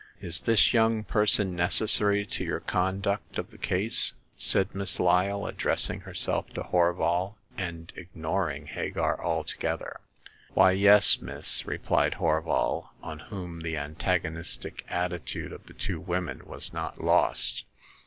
" Is this young person necessary to your con duct of the case ?'* said Miss Lyle, addressing Jberself to Horval, and ignoring Hagar altogether. The Second Customer. 71 '" Why, yes, miss,'* replied Horval, on whom the antagonistic attitude of the two women was not lost.